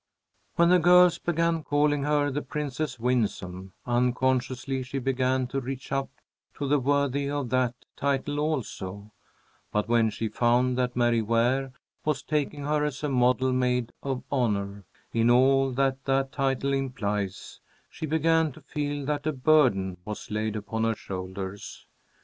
When the girls began calling her the Princess Winsome, unconsciously she began to reach up to be worthy of that title also, but when she found that Mary Ware was taking her as a model Maid of Honor, in all that that title implies, she began to feel that a burden was laid upon her shoulders.